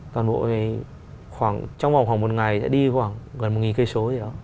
toàn bộ trong vòng khoảng một ngày sẽ đi gần một cây số gì đó